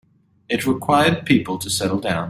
It required people to settle down.